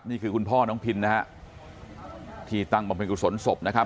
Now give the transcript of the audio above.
คุณพ่อน้องพินนะฮะที่ตั้งบำเพ็ญกุศลศพนะครับ